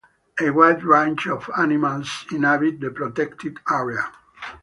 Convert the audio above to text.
A wide range of animals inhabit the protected area.